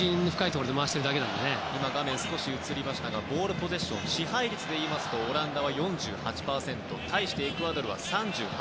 先ほど画面に少し映りましたがボールポゼッション支配率ですとオランダは４８％対してエクアドルは３８％。